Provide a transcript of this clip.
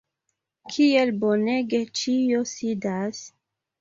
kiel bonege ĉio sidas!